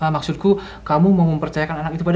maksudku kamu mau mempercayakan anak itu pada